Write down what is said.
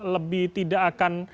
lebih tidak akan